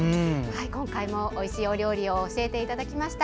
今回もおいしいお料理を教えていただきました。